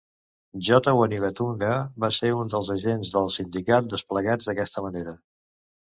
J. Wanigatunga va ser un dels agents del sindicat desplegats d'aquesta manera.